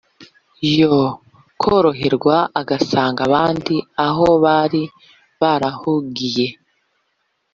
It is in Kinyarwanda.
yo koroherwa agasanga abandi aho bari barahungiye.